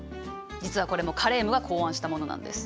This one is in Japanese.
実はこれもカレームが考案したものなんです。